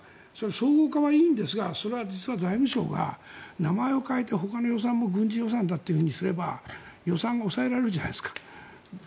相互化はいいんですがそれは実は財務省が名前を変えてほかの予算も、軍事予算といえば予算を抑えられるじゃないですか